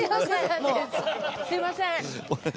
すいません。